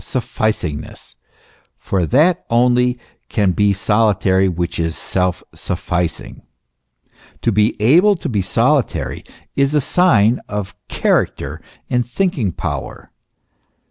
solitude and self sufficingness; for that only can be solitary which is self sufficing. To be able to be solitary is a sign of character and thinking power.